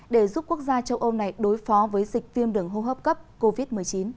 để giúp quốc gia châu âu này đối phó với dịch viêm đường hô hấp cấp covid một mươi chín